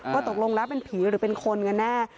ตกลงแล้วเป็นผีหรือเป็นคนกันแน่